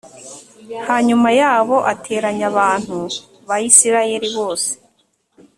hanyuma yabo ateranya abantu ba isirayeli bose